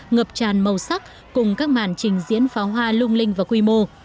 ngập tràn màu sắc cùng các màn trình diễn pháo hoa lung linh và quy mô